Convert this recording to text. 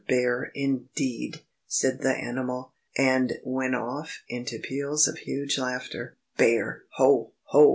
Bear, indeed!" said the animal, and went off into peals of huge laughter. "Bare! Ho, ho!